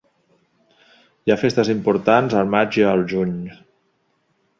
Hi ha festes importants al maig i al juny.